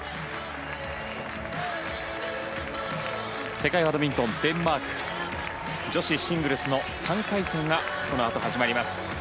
世界バドミントンデンマーク女子シングルスの３回戦がこのあと、始まります。